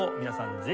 皆さん